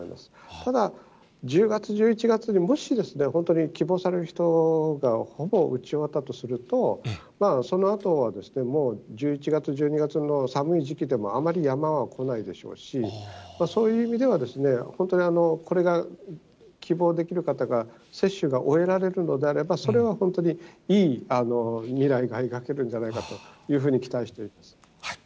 ただ、１０月、１１月にもしですね、本当に希望される人がほぼ打ち終わったとすると、そのあとは、もう１１月、１２月の寒い時期でも、あまり山は来ないでしょうし、そういう意味では、本当にこれが希望できる方が、接種が終えられるのであれば、それは本当にいい未来が描けるんじゃないかと期待しています。